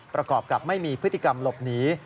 ประกอบกับไม่มีพฤติกรรมหลบหนี